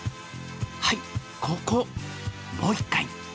はい、ここ、もう１回。